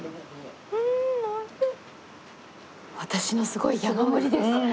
私のすごい山盛りです。